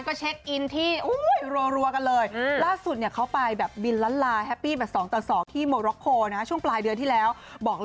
ก็ไปกับแก้วในฐานะแกะหลัง